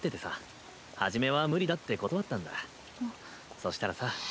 そしたらさ。